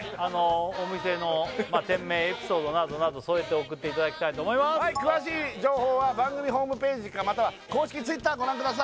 お店の店名エピソードなどなど添えて送っていただきたいと思います詳しい情報は番組ホームページかまたは公式Ｔｗｉｔｔｅｒご覧ください